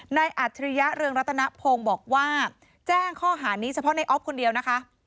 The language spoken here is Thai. อัจฉริยะเรืองรัตนพงศ์บอกว่าแจ้งข้อหานี้เฉพาะในออฟคนเดียวนะคะ